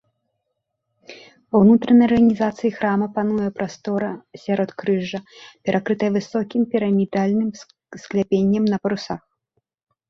Ва ўнутранай арганізацыі храма пануе прастора сяродкрыжжа, перакрытая высокім пірамідальным скляпеннем на парусах.